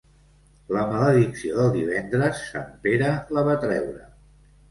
La maledicció del divendres, sant Pere la va treure.